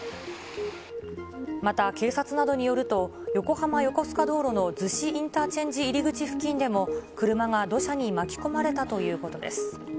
また警察などによると、横浜横須賀道路の逗子インターチェンジ入り口付近も車が土砂に巻き込まれたということです。